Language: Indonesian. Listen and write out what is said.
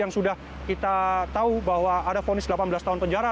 yang sudah kita tahu bahwa ada fonis delapan belas tahun penjara